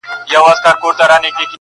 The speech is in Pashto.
که دي دا هډوکی وکېښ زما له ستوني!.